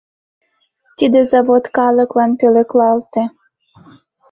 Тиде завод калыклан пӧлеклалте.